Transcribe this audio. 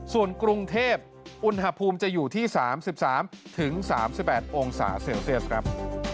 ส่วนกรุงเทพอุณหภูมิจะอยู่ที่๓๓๘องศาเซลเซียสครับ